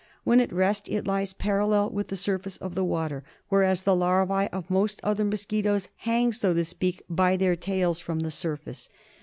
When at rest it lies parallel with the surface of the water, whereas the larvae of most other mos quitoes hang, so to speak, by their tails from the surface.